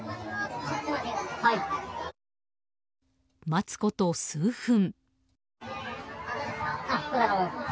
待つこと数分。